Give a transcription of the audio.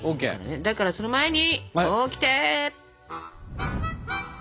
だからその前にオキテ！